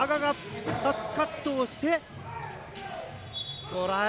パスカットをしてトライ。